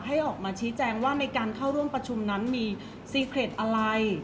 เพราะว่าสิ่งเหล่านี้มันเป็นสิ่งที่ไม่มีพยาน